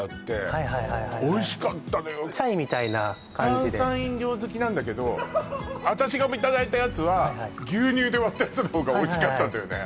はいはいはいはいチャイみたいな感じで炭酸飲料好きなんだけど私がいただいたやつは牛乳で割ったやつのほうがおいしかったんだよね